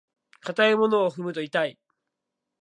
硬いものを踏むと痛い。